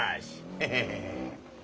ヘヘヘッ。